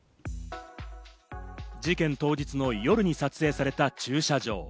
事件当日の夜に撮影された駐車場。